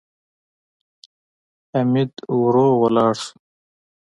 حميد ورو ولاړ شو.